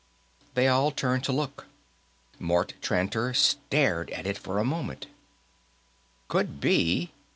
They all turned to look. Mort Tranter stared at it for a moment. "Could be.